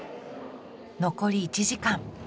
残り１時間。